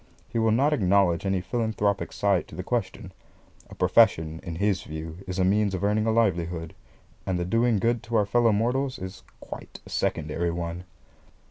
He will not acknowledge any philanthropic side to the question. A profession, in his view, is a means of earning a livelihood, and the doing good to our fellow mortals, is quite a secondary one.